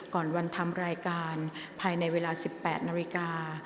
ก่อนวันทำรายการภายในเวลา๑๘นาฬิกา